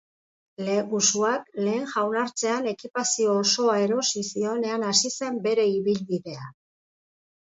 Lehengusuak lehen jaunartzean ekipazio osoa erosi zionean hasi zen bere ibilbidea.